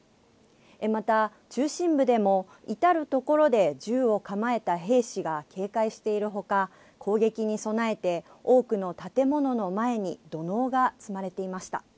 また、中心部でも至る所で銃を構えた兵士が警戒しているほか、攻撃に備えて、多くの建物の前に土のうが積まれていました。